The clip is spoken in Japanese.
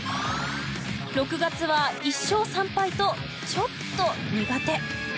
６月は１勝３敗とちょっと苦手。